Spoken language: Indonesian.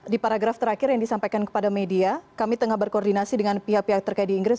di paragraf terakhir yang disampaikan kepada media kami tengah berkoordinasi dengan pihak pihak terkait di inggris